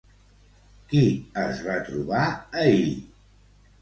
Qui es va trobar ahir?